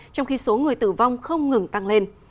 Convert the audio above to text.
trong khi số người tử vong không ngừng tăng lên